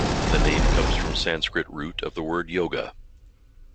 The name comes from Sanskrit root of the word "yoga".